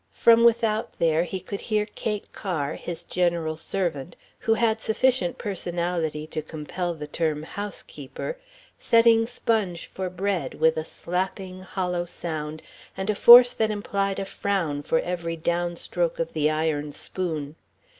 From without there he could hear Kate Kerr, his general servant, who had sufficient personality to compel the term "housekeeper," setting sponge for bread, with a slapping, hollow sound and a force that implied a frown for every down stroke of the iron spoon.